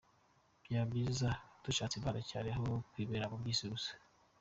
Byaba byiza dushatse imana cyane, aho kwibera mu byisi gusa.